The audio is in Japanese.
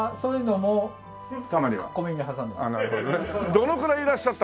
どのくらいいらっしゃったんです？